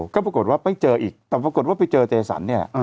ก็ปรากฏว่าไม่เจออีกแต่ปรากฏว่าไปเจอเจสันเนี่ย